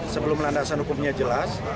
sebelum landasan hukumnya jelas